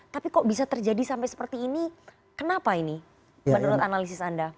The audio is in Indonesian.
tapi kok bisa terjadi sampai seperti ini kenapa ini menurut analisis anda